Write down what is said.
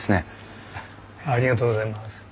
ありがとうございます。